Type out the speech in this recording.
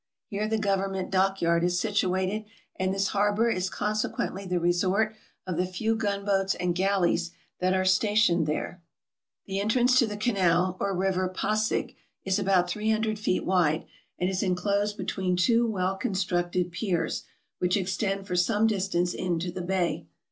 Here the government dock yard is situated, and this harbor is conse quently the resort of the few gun boats and galleys that are stationed here. The entrance to the canal or river Pasig is three hun dred feet wide, and is enclosed between two well constructed piers, which extend for some distance into the bay.